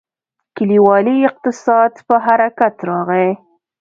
کلیوالي اقتصاد په حرکت راغی.